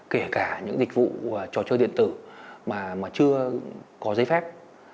kể cả những dịch vụ trò chơi điện tử mà chưa có giấy phép